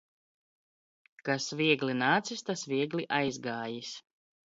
Kas viegli n?cis, tas viegli aizg?jis.